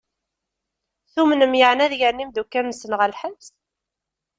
Tumnem yeɛni ad gren imdukal-nsen ɣer lḥebs?